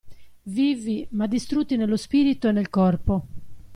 Vivi ma distrutti nello spirito e nel corpo.